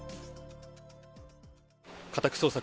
家宅捜索